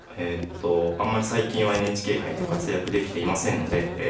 あんまり最近はＮＨＫ杯で活躍できていませんのでえ